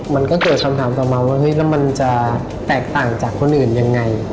มันก็เกิดคำถามต่อมาว่าเฮ้ยแล้วมันจะแตกต่างจากคนอื่นยังไง